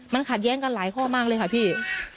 มันขัดแย้งกันหลายข้อมากเลยค่ะพี่